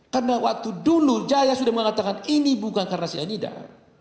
karena waktu dulu jaya sudah mengatakan ini bukan karena syanidah